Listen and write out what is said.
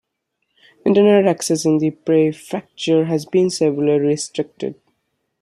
Internet access in the prefecture has been severely restricted.